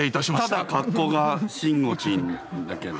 ただ格好がしんごちんだけど。